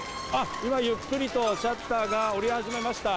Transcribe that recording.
今、ゆっくりとシャッターが下り始めました。